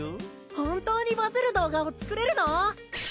本当にバズる動画を作れるの？